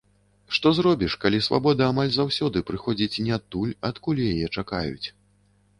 Што зробіш, калі свабода амаль заўсёды прыходзіць не адтуль, адкуль яе чакаюць.